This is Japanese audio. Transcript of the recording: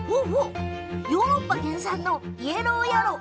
ヨーロッパ原産のイエローヤロウ。